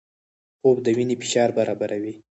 خوب د وینې فشار برابروي